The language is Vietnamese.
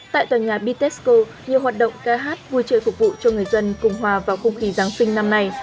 tại tòa nhà bitexco nhiều hoạt động ca hát vui chơi phục vụ cho người dân cùng hòa vào không khí giáng sinh năm nay